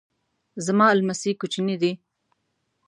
زما لمسی کوچنی دی